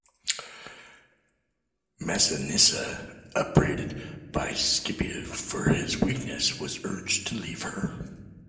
Masinissa, upbraided by Scipio for his weakness, was urged to leave her.